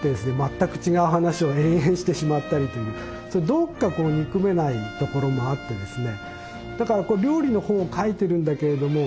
どこか憎めないところもあってですね。